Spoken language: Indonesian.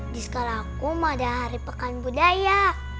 disekal aku mau ada hari pekan budaya